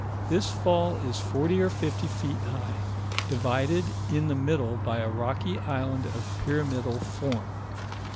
This fall is forty or fifty feet high, divided in the middle by a rocky island of pyramidal form.